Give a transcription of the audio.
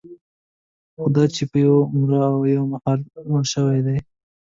خوداچې په یوه عمر او یوه مهال مړه شوي دي.